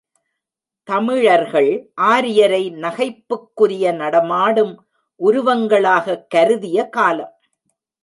தமிழர்கள் ஆரியரை நகைப்புக்குரிய நடமாடும் உருவங்களாகக் கருதிய காலம்.